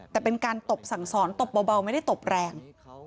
แต่เป็นการตบสั่งสอนตบเบาไม่ได้ตบแรง